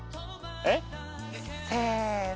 えっ？せーの。